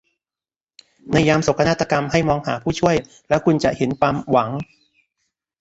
ในยามโศกนาฏกรรมให้มองหาผู้ช่วยแล้วคุณจะเห็นความหวัง